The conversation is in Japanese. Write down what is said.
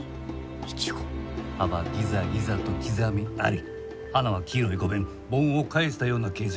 葉はギザギザと刻みあり花は黄色い５弁盆を返したような形状。